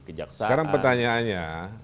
kejaksaan sekarang pertanyaannya